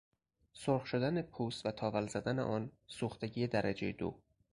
سرخ شدن پوست و تاول زدن آن، سوختگی درجه دو